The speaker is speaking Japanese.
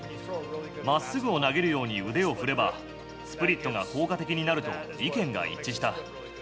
まっすぐを投げるように腕を振れば、スプリットが効果的になると意見が一致した。